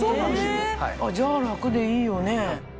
じゃあ楽でいいよね！